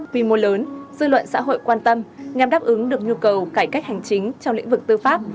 quy mô lớn dư luận xã hội quan tâm nhằm đáp ứng được nhu cầu cải cách hành chính trong lĩnh vực tư pháp